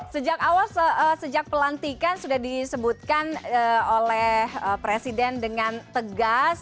sejak awal sejak pelantikan sudah disebutkan oleh presiden dengan tegas